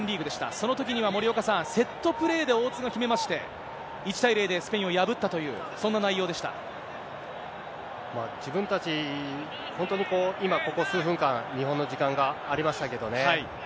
そのときには森岡さん、セットプレーで大津が決めまして、１対０でスペインを破ったという、自分たち、本当に今、ここ数分間、日本の時間がありましたけどね。